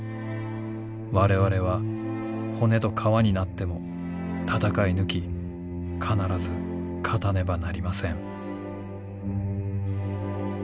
我々は骨と皮になっても戦い抜き必ず勝たねばなりません」。